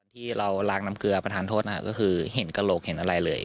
ที่เราล้างน้ำเกลือประธานโทษก็คือเห็นกระโหลกเห็นอะไรเลย